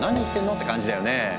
って感じだよねえ。